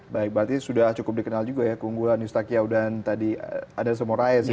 baik berarti sudah cukup dikenal juga ya keunggulan yustakyao dan tadi ada semua raes ya